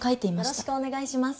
よろしくお願いします。